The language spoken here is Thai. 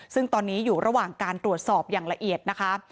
ซึ่งตอนนี้อยู่ระหว่างการตรวจสอบอย่างละเอียดนะคะ